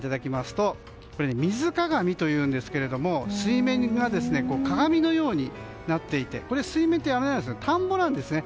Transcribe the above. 水鏡というんですけど、水面が鏡のようになっていてこの水面って田んぼなんですね。